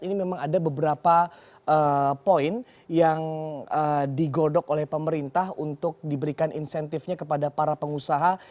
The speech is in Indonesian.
ini memang ada beberapa poin yang digodok oleh pemerintah untuk diberikan insentifnya kepada para pengusaha